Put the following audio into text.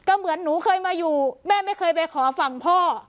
ก็เหมือนหนูเคยมาอยู่แม่ไม่เคยไปขอฝั่งพ่อ